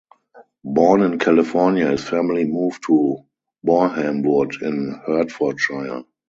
Born in California, his family moved to Borehamwood in Hertfordshire.